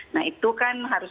nah itu kan harus